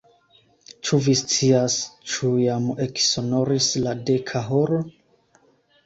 Ĉu vi scias, ĉu jam eksonoris la deka horo?